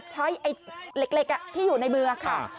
ไอ้เหล็กที่อยู่ในมือค่ะ